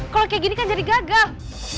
kalau kayak gini kan jadi gagal